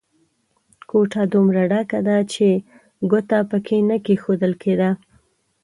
کوټه دومره ډکه ده چې ګوته په کې نه کېښول کېده.